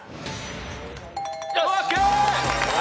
よし！